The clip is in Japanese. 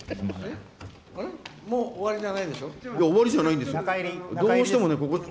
もう終わりじゃないんでしょ？